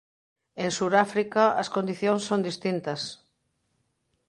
En Suráfrica as condicións son distintas.